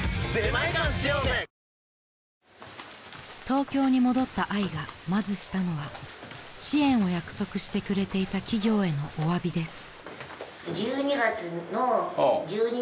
［東京に戻ったあいがまずしたのは支援を約束してくれていた企業へのおわびです］